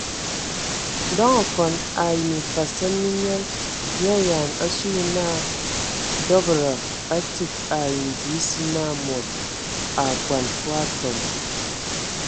Ndɔŋ okɔn ai mimfasɛn mi nyɔl mi ayaan asu yə naa dɔbəda a tsig ai ndi esə na mod a akɔn fwa atɔm.